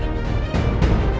kok gak buka pintu